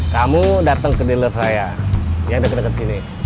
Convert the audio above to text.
kamu datang ke dealer saya yang deket deket sini